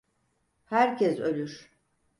Herkes ölür.